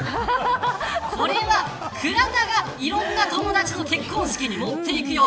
これは、倉田がいろんな友達の結婚式に持っていく用。